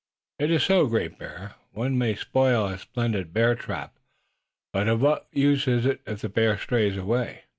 "It is so, Great Bear. One may build a splendid bear trap but of what use is it if the bear stays away?"